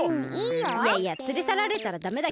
いやいやつれさられたらダメだけどね。